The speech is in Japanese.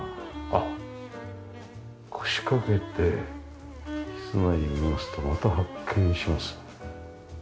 あっ腰掛けて住まいを見ますとまた発見します。